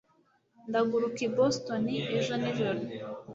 Ndaguruka i Boston ejo nijoro